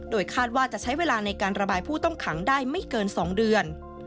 คาดว่าจะใช้เวลาในการระบายผู้ต้องขังได้ไม่เกิน๒เดือน